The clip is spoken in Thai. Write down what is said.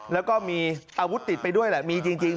แล้วก็มีอาวุธติดไปด้วยแหละมีจริง